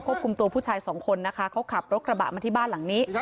ควบคุมตัวผู้ชาย๒คนเขาขับรกระบะมาบ้านหลังนี้